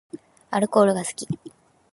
アルコールが好き